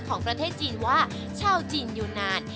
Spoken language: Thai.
ของประเทศจีนว่าชาวจีนอยู่นาน